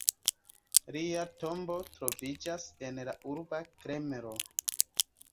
Lia tombo troviĝas en la urba Kremlo.